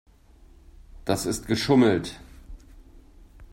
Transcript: Das ist geschummelt.